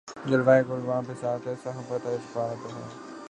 جلوہٴ گل واں بساطِ صحبتِ احباب تھا